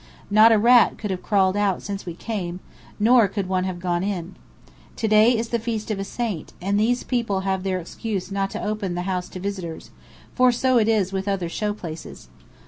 Not a rat could have crawled out since we came, nor could one have gone in. To day is the feast of a saint, and these people have their excuse not to open the house to visitors, for so it is with other show places.